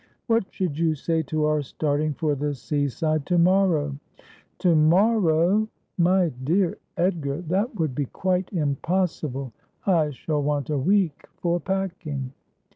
' What should you say to our starting for the sea side to morrow ?'' To morrow ! My dear Edgar, that would be quite impos sible. I shall want a week for packing.'